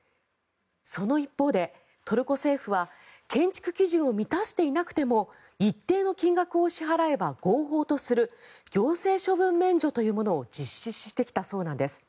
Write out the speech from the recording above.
その一方でトルコ政府は建築基準を満たしていなくても一定の金額を支払えば合法とする行政処分免除というものを実施してきたそうなんです。